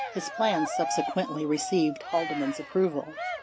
His plan subsequently received Haldeman's approval.